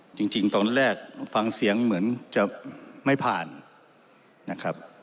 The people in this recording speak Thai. จริงตอนแรกฟังเสียงเหมือนจะไม่ผ่านนะครับ